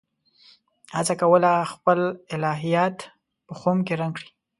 هڅه کوله خپل الهیات په خُم کې رنګ کړي.